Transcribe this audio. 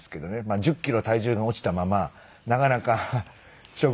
１０キロ体重が落ちたままなかなか食が進まないので。